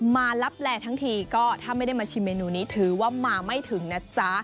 มาลับแลทั้งทีก็ถ้าไม่ได้มาชิมเมนูนี้ถือว่ามาไม่ถึงนะจ๊ะ